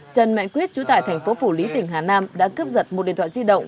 trần mạnh quyết chú tại thành phố phủ lý tỉnh hà nam đã cướp giật một điện thoại di động